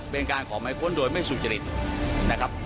เป็นการขอไม้ค้นโดยไม่สุจริตนะครับ